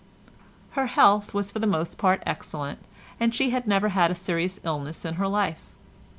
Her health was for the most part excellent, and she had never had a serious illness in her life.